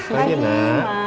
selamat pagi emak